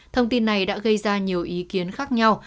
thông tin này đã gây ra nhiều ý kiến khác nhau